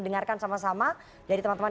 dengarkan sama sama dari teman teman